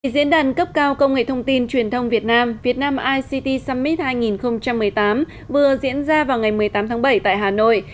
diễn đàn cấp cao công nghệ thông tin truyền thông việt nam việt nam ict summit hai nghìn một mươi tám vừa diễn ra vào ngày một mươi tám tháng bảy tại hà nội